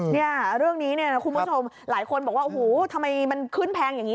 ใช่ค่ะเรื่องนี้คุณผู้ชมหลายคนบอกว่าทำไมมันขึ้นแพงอย่างนี้